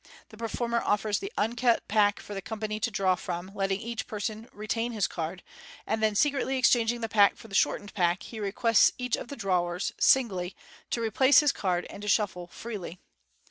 The performer offers the uncut pack for the company to draw from, letting each person retain his card, and then secretly exchanging the pack for the shortened pack, he requests each of the drawers (singly) to replace his card, and to shuffle freely.